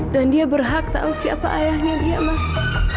dan dia berhak tahu siapa ayahnya dia mas